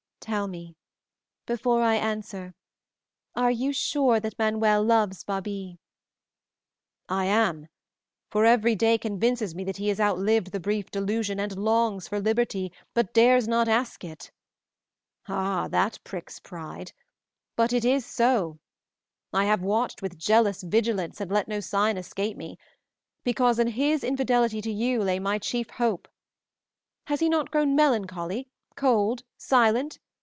"Tell me, before I answer, are you sure that Manuel loves Babie?" "I am; for every day convinces me that he has outlived the brief delusion, and longs for liberty, but dares not ask it. Ah! that pricks pride! But it is so. I have watched with jealous vigilance and let no sign escape me; because in his infidelity to you lay my chief hope. Has he not grown melancholy, cold, and silent?